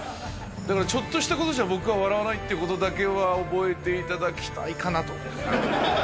だからちょっとしたことじゃ、僕は笑わないっていうことだけは覚えていただきたいかなと。